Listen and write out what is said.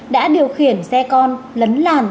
đã điều khiển xe con lấn làn